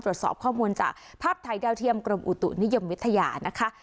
ตรวจสอบข้อมูลจากภาพถ่ายดาวเทียมกรมอุตุนิยมวิทยานะคะ